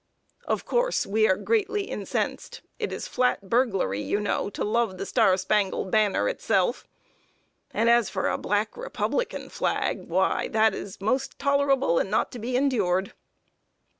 Of course, we are greatly incensed. It is flat burglary, you know, to love the Star Spangled Banner itself; and as for a Black Republican flag why, that is most tolerable and not to be endured.